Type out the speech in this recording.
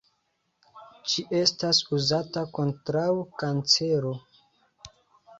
Ĝi estas uzata kontraŭ kancero.